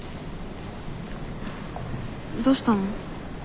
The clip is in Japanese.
どうしたの？